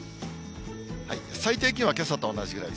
最低気温はけさと同じぐらい。